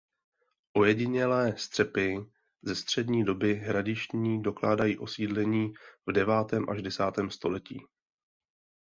Ojedinělé střepy ze střední doby hradištní dokládají osídlení v devátém až desátém století.